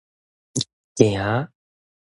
行